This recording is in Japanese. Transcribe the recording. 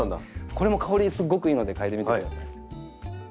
これも香りすっごくいいので嗅いでみてください。